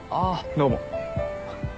どうも。